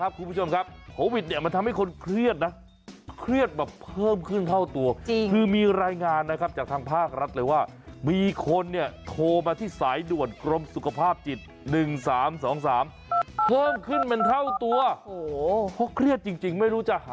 ระบายกับใครพูดคุยกับใครกันดีค่ะแน่นอนฮะการคลายเครียดที่ง่ายที่สุดทำยังไงรู้ไหม